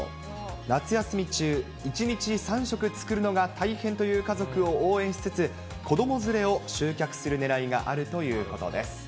夏休み中、１日３食作るのが大変という家族を応援しつつ、子ども連れを集客するねらいがあるということです。